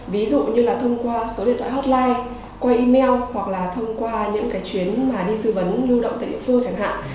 ví dụ như là thông qua số điện thoại hotline qua email hoặc là thông qua những cái chuyến mà đi tư vấn lưu động tại địa phương chẳng hạn